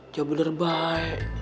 ya bener baik